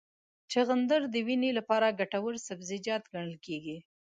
چغندر د وینې لپاره ګټور سبزیجات ګڼل کېږي.